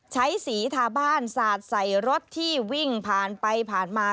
ใช้สีทาบ้านสาดใส่รถที่วิ่งผ่านไปผ่านมา